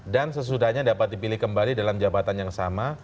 dan sesudahnya dapat dipilih kembali dalam jabatan yang sama